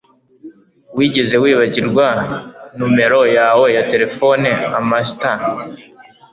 Wigeze wibagirwa numero yawe ya terefone Amastan